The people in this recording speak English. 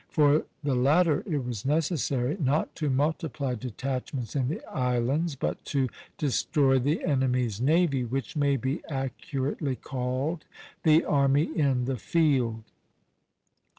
For the latter it was necessary, not to multiply detachments in the islands, but to destroy the enemy's navy, which may be accurately called the army in the field.